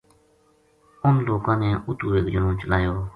اُنھ لوکاں نے اُتو ایک جنو چلایو